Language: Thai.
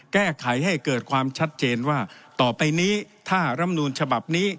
แก้ไขให้เกิดความชัดเจนว่าต่อไปนี้ถ้ารำนูลฉบับนี้